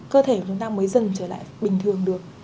cơ thể chúng ta mới dần trở lại bình thường được